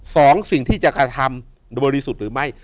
สองสิ่งที่จะกระทำบริสุทธิ์หรือไม่